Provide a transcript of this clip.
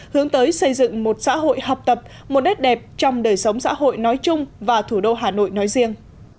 hướng tới xây dựng một xã hội học tập một nét đẹp trong đời sống xã hội nói chung và thủ đô hà nội nói riêng